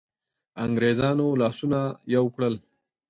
انګرېزانو لاسونه یو کړل.